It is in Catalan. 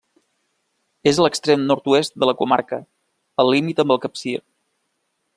És a l'extrem nord-oest de la comarca, al límit amb el Capcir.